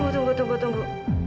tunggu tunggu tunggu